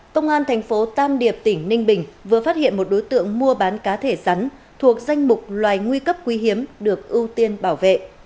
công an thành phố tam điệp tỉnh ninh bình vừa phát hiện một đối tượng mua bán cá thể rắn thuộc danh mục loài nguy cấp quý hiếm được ưu tiên bảo vệ